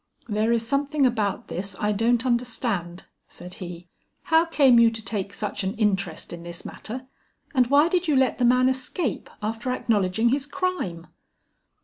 "There is something about this I don't understand," said he. "How came you to take such an interest in this matter; and why did you let the man escape after acknowledging his crime?"